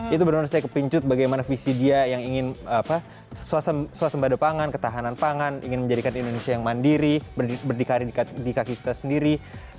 itu benar benar saya kepincut bagaimana visi dia yang ingin suasembada pangan ketahanan pangan ingin menjadikan indonesia yang mandiri berdikari di kaki kita sendiri